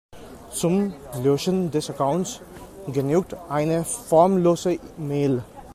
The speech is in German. Zum Löschen des Accounts genügt eine formlose Mail.